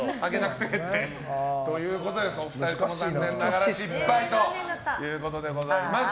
お二人とも残念ながら失敗ということでございます。